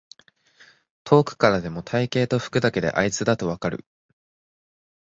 遠くからでも体型と服だけであいつだとわかる